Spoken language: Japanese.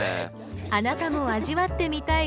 あなたも味わってみたい